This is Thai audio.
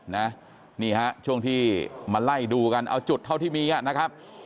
นี่ฮะช่วงที่มาไล่ดูกันเอาจุดเท่าที่มีอ่ะนะครับ